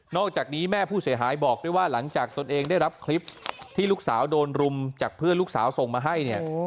อกจากนี้แม่ผู้เสียหายบอกด้วยว่าหลังจากตนเองได้รับคลิปที่ลูกสาวโดนรุมจากเพื่อนลูกสาวส่งมาให้เนี่ย